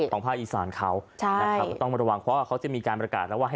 ต่องภาคอีสานเขาต้องมาระวังเพราะว่าเขาจะมีการประกาศแล้ว